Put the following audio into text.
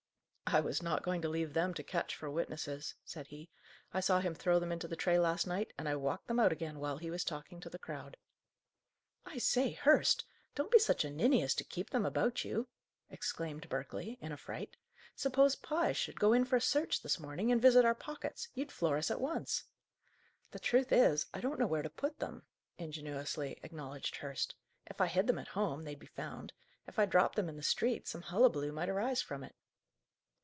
"I was not going to leave them to Ketch for witnesses," said he. "I saw him throw them into the tray last night, and I walked them out again, while he was talking to the crowd." "I say, Hurst, don't be such a ninny as to keep them about you!" exclaimed Berkeley, in a fright. "Suppose Pye should go in for a search this morning, and visit our pockets? You'd floor us at once!" "The truth is, I don't know where to put them," ingenuously acknowledged Hurst. "If I hid them at home, they'd be found; if I dropped them in the street, some hullaballoo might arise from it."